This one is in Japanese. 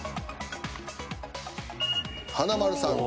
華丸さん。